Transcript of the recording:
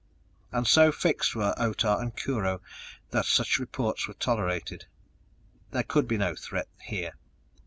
And so fixed were Otah and Kurho that such reports were tolerated. There could be no threat here!